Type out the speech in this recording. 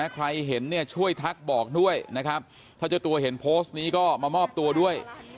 ใครเห็นเนี่ยช่วยทักบอกด้วยนะครับถ้าเจ้าตัวเห็นโพสต์นี้ก็มามอบตัวด้วย